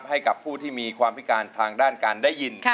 ให้กับผู้ที่มีความพิการทางด้านการได้ยิน